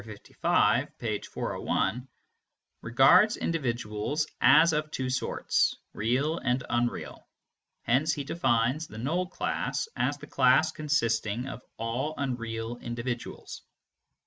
55, page 401) regards individuals as of two sorts, real and unreal; hence he defines the null class as the class consisting of all unreal individuals.